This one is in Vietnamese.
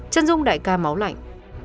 trân dung đại ca máu lạnh